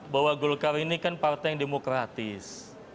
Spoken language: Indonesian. bahwa golkar ini kan partai yang demokratis